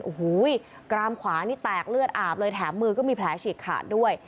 โอ้โหกรามขวานี่แตกเลือดอาบเลยแถมมือก็มีแผลฉีกขาดด้วย